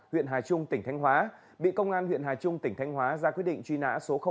huyện hà trung tỉnh thanh hóa bị công an huyện hà trung tỉnh thanh hóa ra quyết định truy nã số một